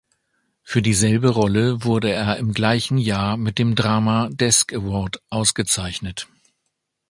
Für dieselbe Rolle wurde er im gleichen Jahr mit dem Drama Desk Award ausgezeichnet.